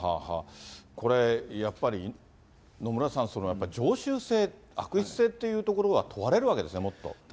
これ、やっぱり、野村さん、常習性、悪質性っていうところは問われるわけですね、もっと。